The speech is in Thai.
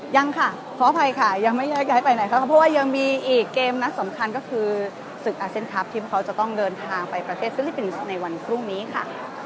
ยังค่ะขออภัยค่ะยังไม่แยกย้ายไปไหนค่ะเพราะว่ายังมีอีกเกมนัดสำคัญก็คือศึกอาเซียนคลับที่พวกเขาจะต้องเดินทางไปประเทศฟิลิปปินส์ในวันพรุ่งนี้ค่ะ